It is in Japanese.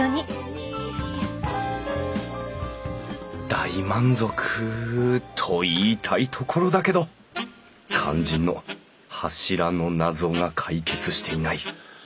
大満足と言いたいところだけど肝心の柱の謎が解決していない。